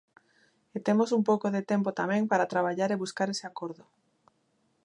E temos un pouco de tempo tamén para traballar e buscar ese acordo.